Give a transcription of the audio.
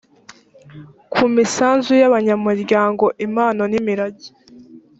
ku misanzu y’abanyamuryango impano n’imirage